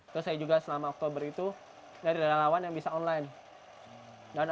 terus saya juga selama oktober itu dari relawan yang bisa online